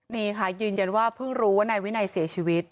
นี่ค่ะยืนยันว่าเพิ่งรู้ว่านายวินัยเสียชีวิต